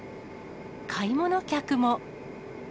買い物客も。